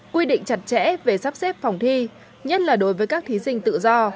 quy định chặt chẽ về sắp xếp phòng thi nhất là đối với các thí sinh tự do